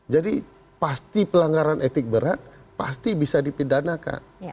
jadi pasti pelanggaran etik berat pasti bisa dipidanakan